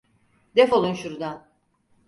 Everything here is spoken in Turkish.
Defolun şurdan!